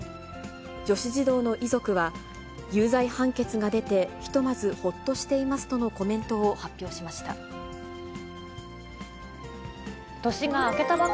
女子児童の遺族は、有罪判決が出て、ひとまずほっとしていますとのコメントを発表しました。